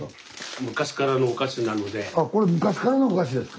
あこれ昔からのお菓子ですか。